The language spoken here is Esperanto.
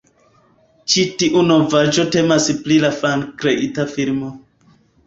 Ĉi tiu novaĵo temas pri la fankreita filmo